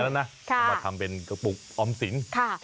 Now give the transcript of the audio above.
เอามาทำเป็นกระปุกออมสิน